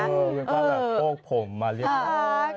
ป้าแบบโก้กผมมาเรียก